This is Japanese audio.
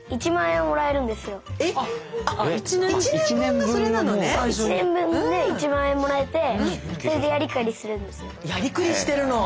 １年分で１万円もらえてそれでやりくりするんですよ。